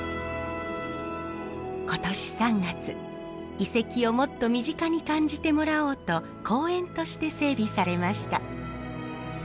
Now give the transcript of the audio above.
今年３月遺跡をもっと身近に感じてもらおうと公園として整備されました。